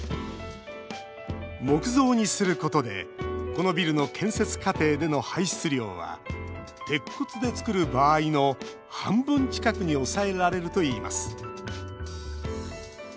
木造にすることでこのビルの建設過程での排出量は鉄骨で造る場合の半分近くに抑えられるといいます。